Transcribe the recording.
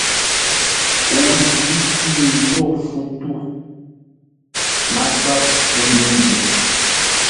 O jǐ mi zô fu tû. MASAP tó mi yé.